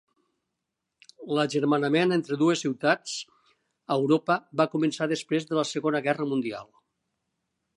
L'agermanament entre dues ciutats a Europa va començar després de la Segona Guerra Mundial.